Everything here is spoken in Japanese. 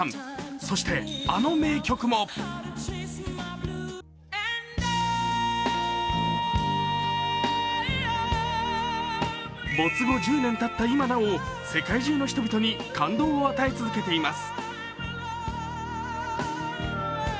そしてあの名曲も没後１０年たった今なお世界中の人々に感動を与え続けています。